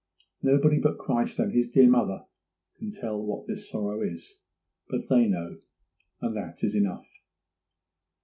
Nobody but Christ and His dear mother can tell what this sorrow is; but they know, and that is enough.